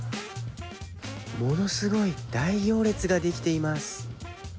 ものすごい大行列ができています。